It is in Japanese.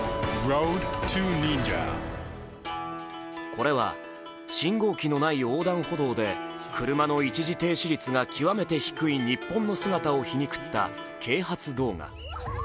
これは、信号機のない横断歩道で、車の一時停止率が極めて低い日本の姿を皮肉った啓発動画。